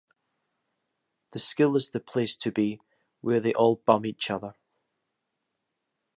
The school is the place to be, where they all bum each other.